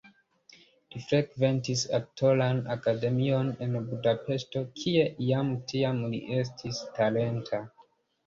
Li frekventis aktoran akademion en Budapeŝto, kie jam tiam li estis talenta.